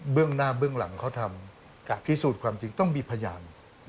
หน้าเบื้องหลังเขาทำพิสูจน์ความจริงต้องมีพยาน